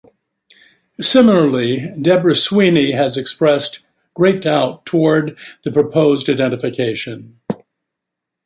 Similarly, Deborah Sweeney has expressed great doubt toward the proposed identification.